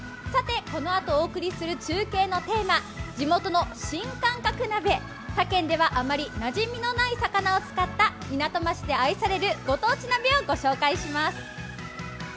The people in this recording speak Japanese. このあとお送りする中継のテーマ、地元の新感覚鍋、他県ではあまりなじみのない魚を使った港町で愛されるご当地鍋をご紹介します。